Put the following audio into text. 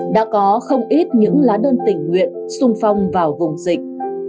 đã có không ít những lá đơn tình nguyện sung phong vào vùng dịch